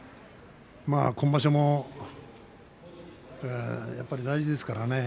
今場所もやっぱり大事ですからね。